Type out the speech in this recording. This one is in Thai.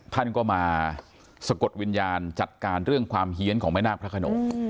ท่านก็มาสะกดวิญญาณจัดการเรื่องความเฮียนของแม่นาคพระขนง